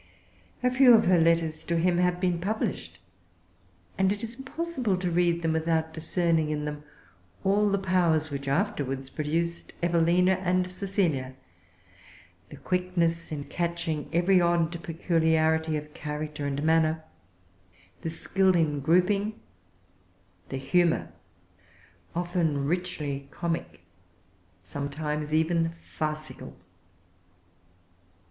A few of her letters to him have been published; and it is impossible to read them without discerning in them all the powers which afterwards produced Evelina and Cecilia, the quickness in catching every odd peculiarity of character and manner, the skill in grouping, the humor, often richly comic, sometimes even farcical.